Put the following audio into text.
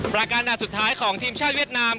รายการดัดสุดท้ายของทีมชาติเวียดนาม